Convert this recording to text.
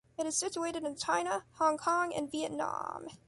It is situated in China, Hong Kong and Vietnam.